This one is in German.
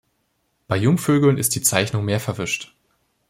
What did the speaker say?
Bei Jungvögeln ist die Zeichnung mehr verwischt.